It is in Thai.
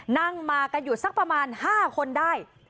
นั่งมากันอยู่สักประมาณ๕คนได้